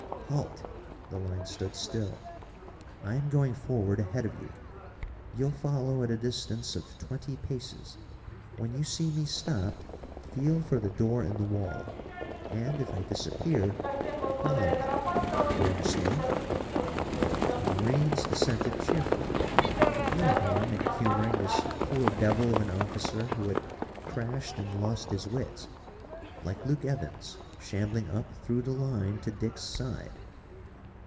"Halt!" The line stood still. "I am going forward ahead or you. You'll follow at a distance of twenty paces. When you see me stop, feel for the door in the wall, and if I disappear, follow me. You understand?" The Marines assented cheerfully. No harm in humoring this poor devil of an officer who had crashed and lost his wits. Like Luke Evans, shambling up through the line to Dick's side.